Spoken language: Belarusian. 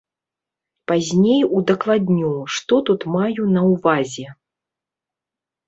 Пазней удакладню, што тут маю на ўвазе.